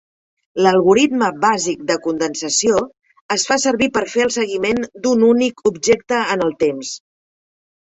L'algoritme bàsic de condensació es fa servir per fer el seguiment d'un únic objecte en el temps